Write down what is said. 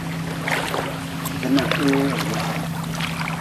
Binahee rudi hom.